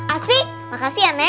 asli makasih ya ne